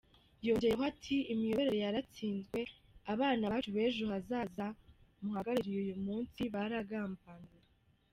Yongeyeho ati “Imiyoborere yaratsinzwe, abana bacu b’ejo hazaza muhagarariye uyu munsi baragambaniwe.